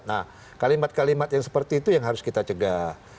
nah kalimat kalimat yang seperti itu yang harus kita cegah